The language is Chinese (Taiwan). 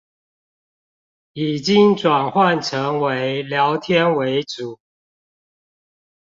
已經轉換成為聊天為主